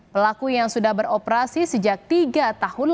pelaku yang sudah beroperasi sejak tiga tahun lalu